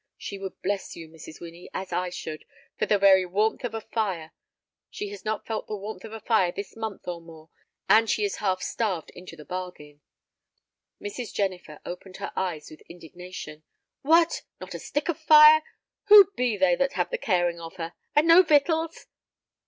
"She would bless you, Mrs. Winnie, as I should, for the very warmth of a fire. She has not felt the warmth of a fire this month or more, and she is half starved into the bargain." Mrs. Jennifer opened her eyes with indignation. "What! not a stick of fire! Who be they who have the caring for her? And no victuals!"